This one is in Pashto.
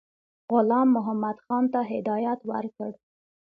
غلام محمدخان ته هدایت ورکړ.